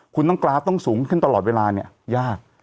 คุณต้องกราฟต้องสูงขึ้นตลอดเวลาเนี่ยยาก